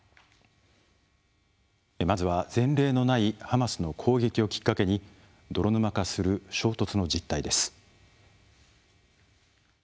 まずは前例のないハマスの攻撃をきっかけに泥沼化する衝突の実態です。